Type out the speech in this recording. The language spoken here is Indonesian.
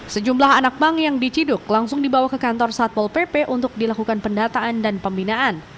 sejumlah anak bank yang diciduk langsung dibawa ke kantor satpol pp untuk dilakukan pendataan dan pembinaan